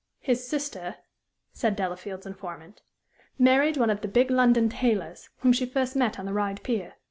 "His sister," said Delafield's informant, "married one of the big London tailors, whom she met first on the Ryde pier.